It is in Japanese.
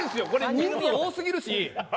人数多すぎるし。